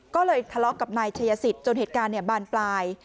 ก็เลยทะเลาะกับนายเฉยสิตจนเหตุการณ์เนี่ยบานปลาย